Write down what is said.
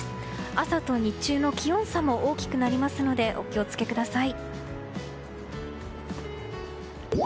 朝と日中の気温差も大きくなりますのでお気を付けください。